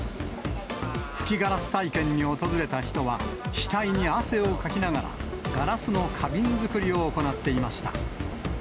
吹きガラス体験に訪れた人は、額に汗をかきながら、ガラスの花瓶作りを行っていました。